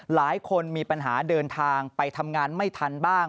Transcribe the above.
หลายคนมีปัญหาเดินทางไปทำงานไม่ทันบ้าง